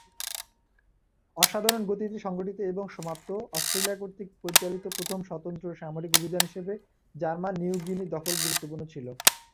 অসাধারণ গতিতে সংগঠিত এবং সমাপ্ত, অস্ট্রেলিয়া কর্তৃক পরিচালিত প্রথম স্বতন্ত্র সামরিক অভিযান হিসাবে জার্মান নিউ গিনি দখল গুরুত্বপূর্ণ ছিল।